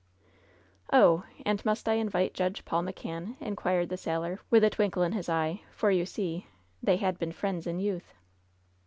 "Oh ! And must I invite Judge Paul McCann ?" in qxdred the sailor, with a twinkle in his eye, for you see "They had been friends in youth."